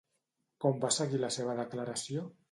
Com va seguir la seva declaració?